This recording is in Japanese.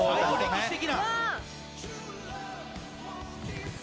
歴史的な。